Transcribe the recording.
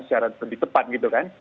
secara lebih tepat gitu kan